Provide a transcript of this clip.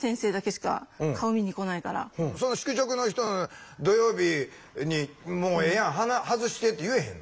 その宿直の人土曜日に「もうええやん外して」って言えへんの？